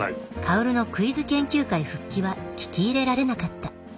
薫のクイズ研究会復帰は聞き入れられなかった。